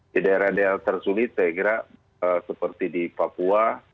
di daerah daerah tersulit saya kira seperti di papua